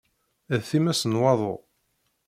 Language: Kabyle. D times n waḍu!